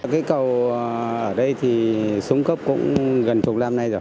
cây cầu ở đây thì xuống cấp cũng gần một mươi năm nay rồi